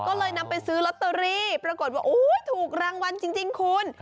ก็เลยนำไปซื้อลอตเตอรี่ปรากฏว่าถูกรางวัลจริงคุณ